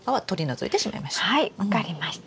はい分かりました。